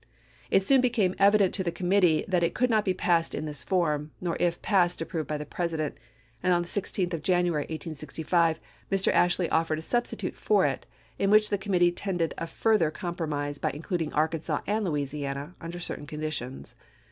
It soon became evident to the committee that it could not be passed in this form, nor if passed approved by the President; and on the 16th of January, 1865, Mr. Ashley offered a substitute for it, in which the committee tendered a further compromise by including Arkansas and Louisiana under certain conditions.